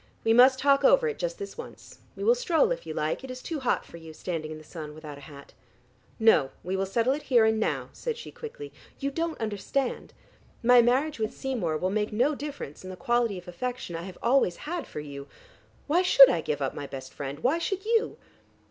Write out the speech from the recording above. We must talk over it just this once. We will stroll if you like. It is too hot for you standing in the sun without a hat." "No, we will settle it here and now," said she quickly. "You don't understand. My marriage with Seymour will make no difference in the quality of affection I have always had for you. Why should I give up my best friend? Why should you?"